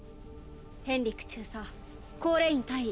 ヘンリック中佐コーレイン大尉